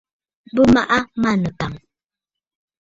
Bɨ maʼa manɨkàŋə̀.